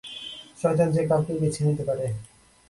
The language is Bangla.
শয়তান যে কাউকেই বেছে নিতে পারে।